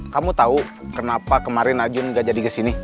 kamu tahu kenapa kemarin najun gak jadi kesini